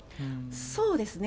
そうですね。